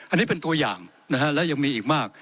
อันนี้เป็นตัวอย่างนะฮะและยังมีอีกมาก